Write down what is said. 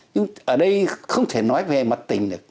nhưng ở đây không thể nói về mặt tình được